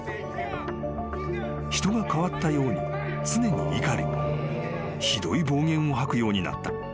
［人が変わったように常に怒りひどい暴言を吐くようになった］